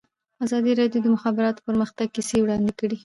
ازادي راډیو د د مخابراتو پرمختګ کیسې وړاندې کړي.